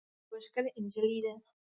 مرسل یوه ښکلي نجلۍ ده.